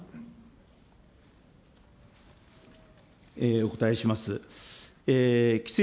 お応えします。